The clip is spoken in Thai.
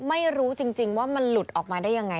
ไม่รู้จริงว่ามันหลุดออกมาได้ยังไง